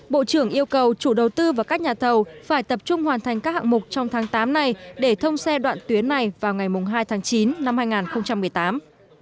bộ trưởng yêu cầu chủ đầu tư và các nhà thầu phải tập trung hoàn thành các hạng mục trong tháng tám này để thông xe đoạn tuyến này vào ngày hai tháng chín năm hai nghìn một mươi tám